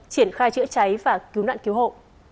triển khai chữa cháy và cứu nạn cứu hộ